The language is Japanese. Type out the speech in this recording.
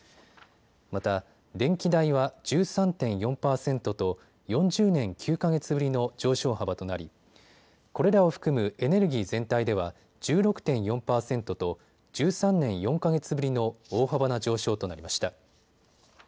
また、電気代は１３．４％と４０年９か月ぶりの上昇幅となりこれらを含むエネルギー全体では１６．４％と１３年４か月ぶりの大幅な上昇となりました。